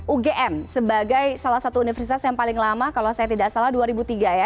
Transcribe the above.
ugm sebagai salah satu universitas yang paling lama kalau saya tidak salah dua ribu tiga ya